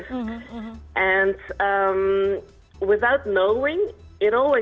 dan tanpa mengetahui